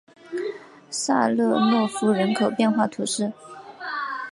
萨勒诺夫人口变化图示